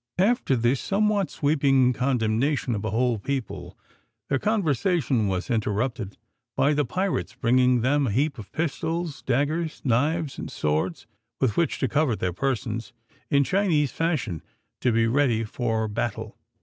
After this somewhat sweeping condemnation of a whole people, their conversation was interrupted by the pirates bringing them a heap of pistols, daggers, knives, and swords, with which to cover their persons in Chinese fashion to be ready for battle.